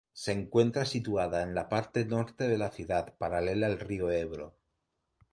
Se encuentra situada en la parte norte de la ciudad, paralela al río Ebro.